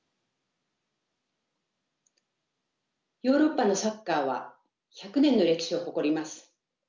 ヨーロッパのサッカーは１００年の歴史を誇ります。